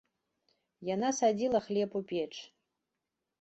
Яна садзіла хлеб у печ.